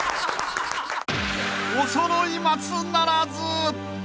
［おそろい松ならず！］